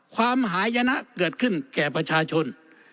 ความหายนะเกิดขึ้นแก่ประชาชน